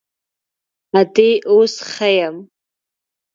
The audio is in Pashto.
_ادې، اوس ښه يم.